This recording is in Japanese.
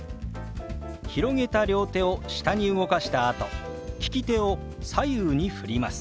広げた両手を下に動かしたあと聞き手を左右にふります。